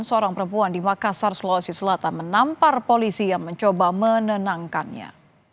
seorang perempuan di makassar sulawesi selatan menampar polisi yang mencoba menenangkannya